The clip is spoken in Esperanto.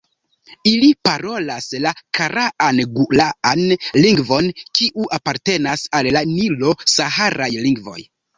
Ili parolas la karaan-gulaan lingvon kiu apartenas al la nilo-saharaj lingvoj.